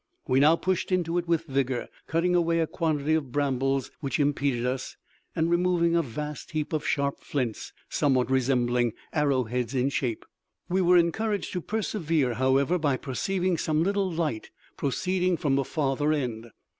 We now pushed into it with vigor, cutting away a quantity of brambles which impeded us, and removing a vast heap of sharp flints somewhat resembling arrowheads in shape. We were encouraged to persevere, however, by perceiving some little light proceeding from the farther end.